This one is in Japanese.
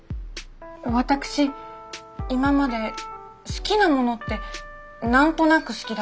私今まで好きなものって何となく好きだったんですよ。